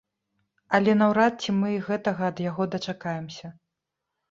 Але наўрад ці мы гэтага ад яго дачакаемся.